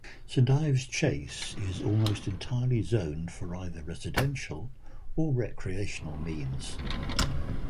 Saint Ives Chase is almost entirely zoned for either residential or recreational means.